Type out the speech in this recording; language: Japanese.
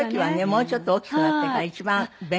もうちょっと大きくなってから一番勉強した時。